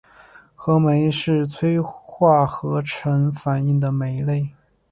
合酶是催化合成反应的酶类。